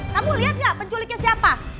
kamu liat gak penculiknya siapa